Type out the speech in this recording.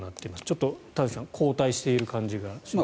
ちょっと田崎さん後退している感じがします。